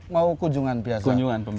mau kunjungan biasa